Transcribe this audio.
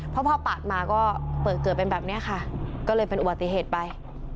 เพราะพอปาดมาก็เปิดเกิดเป็นแบบนี้ค่ะก็เลยเป็นอุบัติเหตุไป